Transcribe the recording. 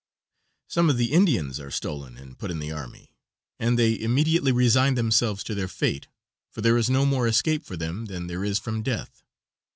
Some of the Indians are stolen and put in the army, and they immediately resign themselves to their fate, for there is no more escape for them than there is from death.